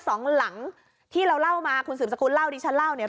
สองหลังที่เราเล่ามาคุณสืบสกุลเล่าดิฉันเล่าเนี่ย